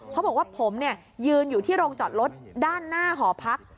เขาบอกว่าผมยืนอยู่ที่โรงจอดรถด้านหน้าหอพัก